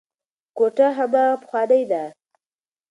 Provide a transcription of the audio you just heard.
کوټه هماغه پخوانۍ ده.